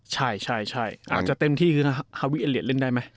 ใช่อาจจะเต็มที่คือฮาวิเอเลียดเล่นได้ไหม